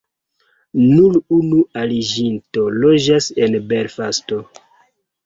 Nur unu aliĝinto loĝas en Belfasto.